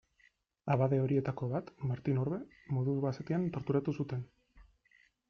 Abade horietako bat, Martin Orbe, modu basatian torturatu zuten.